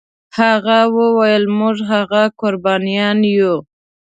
هغه ویل موږ هغه قربانیان یو.